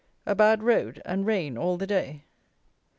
A bad road, and rain all the day.